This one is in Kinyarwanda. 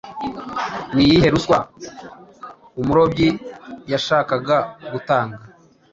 Ni iyihe ruswa umurobyi yashakaga gutanga?